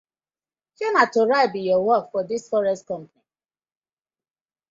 Shey na to write bi yur work for dis forest company.